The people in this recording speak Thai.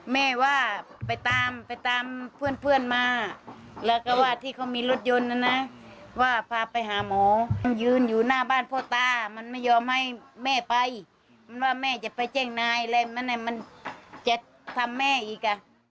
แม่ว่าไปตามไปตามเพื่อนมาแล้วก็ว่าที่เขามีรถยนต์นะนะว่าพาไปหาหมอยืนอยู่หน้าบ้านพ่อตามันไม่ยอมให้แม่ไปมันว่าแม่จะไปแจ้งนายอะไรมันจะทำแม่อีกอ่ะ